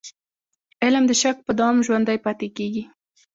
علم د شک په دوام ژوندی پاتې کېږي.